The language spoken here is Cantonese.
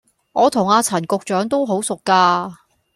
我同阿陳局長都好熟架